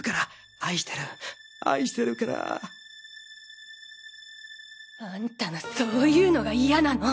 愛してる愛してるから。あんたのそういうのが嫌なの！！